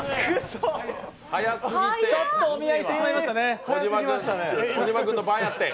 ちょっとお見合いしてしまいましたね。